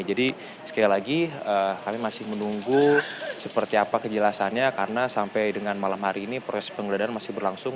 jadi sekali lagi kami masih menunggu seperti apa kejelasannya karena sampai dengan malam hari ini proses penggela dehan masih berlangsung